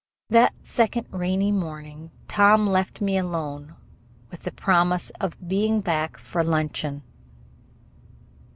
That second rainy morning Tom left me alone with the promise of being back for luncheon.